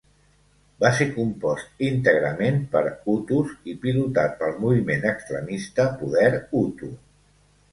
Va ser compost íntegrament per hutus i pilotat pel moviment extremista poder hutu.